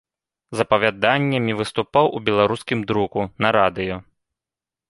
З апавяданнямі выступаў у беларускім друку, на радыё.